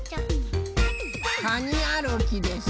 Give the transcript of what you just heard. かにあるきです。